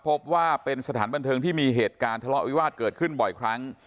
พบว่าเป็นสถานบันเทิงที่มีเหตุการณ์ทะเลาะวิวาสเกิดขึ้นบ่อยครั้ง